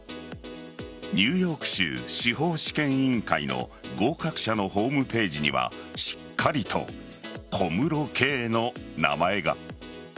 ニューヨーク州司法試験委員会の合格者のホームページにはしっかりと小室圭の名前が。